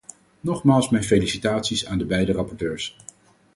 Nogmaals mijn felicitaties aan de beide rapporteurs.